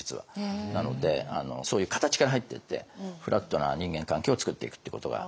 なのでそういう形から入っていってフラットな人間関係をつくっていくっていうことが。